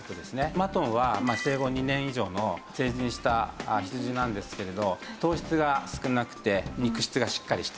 マトンは生後２年以上の成人した羊なんですけれど糖質が少なくて肉質がしっかりしている。